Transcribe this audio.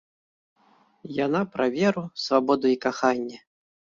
Яна пра веру, свабоду і каханне.